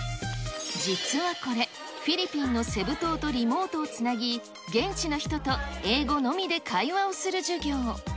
実はこれ、フィリピンのセブ島とリモートをつなぎ、現地の人と英語のみで会話をする授業。